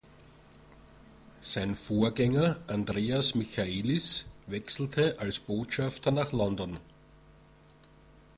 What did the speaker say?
Sein Vorgänger Andreas Michaelis wechselte als Botschafter nach London.